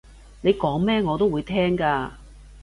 你講咩我都會聽㗎